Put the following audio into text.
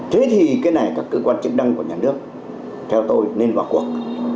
thế thì cái này các cơ quan chức năng của nhà nước theo tôi nên vào cuộc